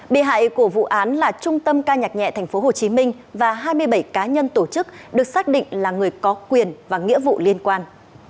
bị hại của vụ án là trung tâm ca nhạc nhẹ tp hcm và hai mươi bảy cá nhân tổ chức được xác định là người có quyền và nghĩa vụ liên quan